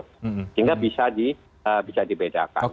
sehingga bisa dibedakan